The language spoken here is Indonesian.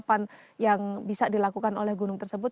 persiapan yang bisa dilakukan oleh gunung tersebut